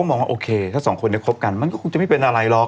มองว่าโอเคถ้าสองคนนี้คบกันมันก็คงจะไม่เป็นอะไรหรอก